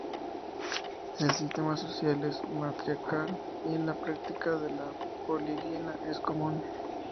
El sistema social es matriarcal y la práctica de la poliginia es común.